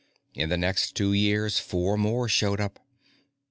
In the next two years, four more showed up.